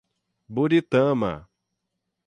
Buritama